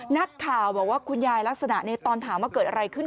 นักข่าวบอกว่าคุณยายลักษณะนี้ตอนถามว่าเกิดอะไรขึ้น